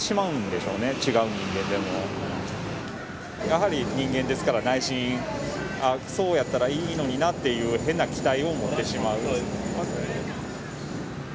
やはり人間ですから内心「そうやったらいいのにな」っていう変な期待を持ってしまうんですね。